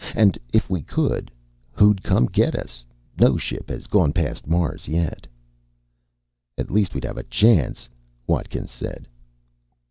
And if we could, who'd come get us? No ship has gone past Mars yet." "At least we'd have a chance," Watkins said.